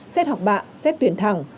xét học bạ xét tuyển thẳng